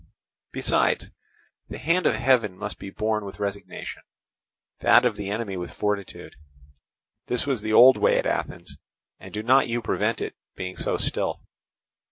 Besides, the hand of heaven must be borne with resignation, that of the enemy with fortitude; this was the old way at Athens, and do not you prevent it being so still.